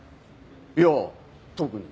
いや特に。